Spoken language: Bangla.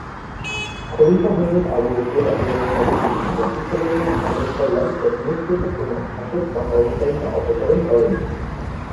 খলীফা হযরত আবু বকর রা: রাসূল সা: এর নিয়োগকৃত কোন শাসক বা কর্মচারীকে অপসারণ করেননি।